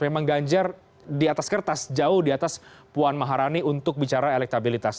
memang ganjar di atas kertas jauh di atas puan maharani untuk bicara elektabilitas